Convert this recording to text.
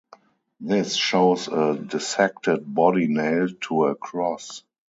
This shows a dissected body nailed to a cross.